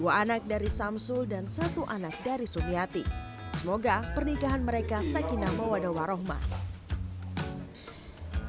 dua anak dari samsul dan satu anak dari sumiati semoga pernikahan mereka sakinah mewada warohman